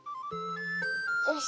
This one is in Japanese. よし。